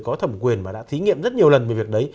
có thẩm quyền và đã thí nghiệm rất nhiều lần về việc đấy